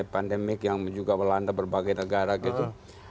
pandemik yang juga melanda berbagai negara gitu